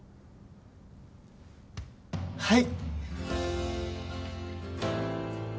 はい！